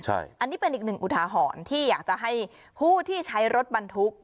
อันนี้เป็นอีกหนึ่งอุทาหรณ์ที่อยากจะให้ผู้ที่ใช้รถบรรทุก